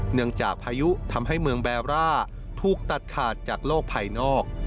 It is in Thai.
จากพายุทำให้เมืองแบร่าถูกตัดขาดจากโลกภายนอก